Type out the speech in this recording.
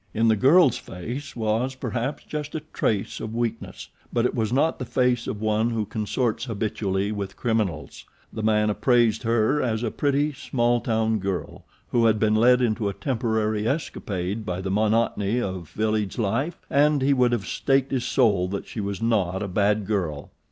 In the girl's face was, perhaps, just a trace of weakness; but it was not the face of one who consorts habitually with criminals. The man appraised her as a pretty, small town girl who had been led into a temporary escapade by the monotony of village life, and he would have staked his soul that she was not a bad girl.